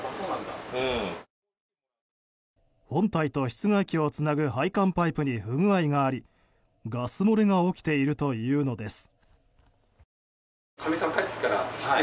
本体と室外機をつなぐ配管パイプに不具合がありガス漏れが起きているというのです。